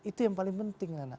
itu yang paling penting